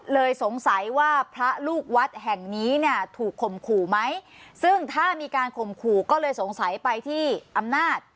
สงสัยว่าพระลูกวัดแห่งนี้เนี่ยถูกข่มขู่ไหมซึ่งถ้ามีการข่มขู่ก็เลยสงสัยไปที่อำนาจ